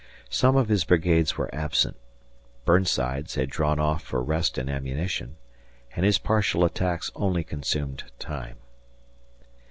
Some of his brigades were absent Burnside's had drawn off for rest and ammunition and his partial attacks only consumed time.